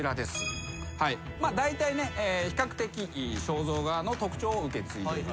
だいたい比較的肖像画の特徴を受け継いでいると。